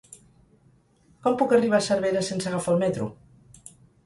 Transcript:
Com puc arribar a Cervera sense agafar el metro?